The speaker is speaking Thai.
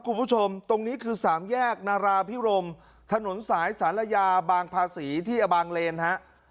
คุณผู้ชมตรงนี้คือสามแยกนาราพิรมถนนสายศาลยาบางภาษีที่อบางเลนฮะ